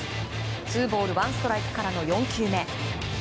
ツーボールワンストライクからの４球目。